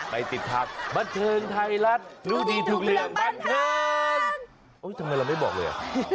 ไปติดทางบันเทิงไทยรัฐรู้ดีทุกเรื่องบันเทิงทำไมเราไม่บอกเลยอ่ะ